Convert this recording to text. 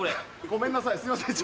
ごめんなさいすいません。